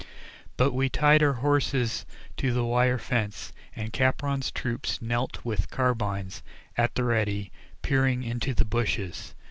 But we tied our horses to the wire fence, and Capron's troop knelt with carbines at the "Ready," peering into the bushes.